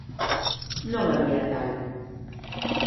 Non había tal.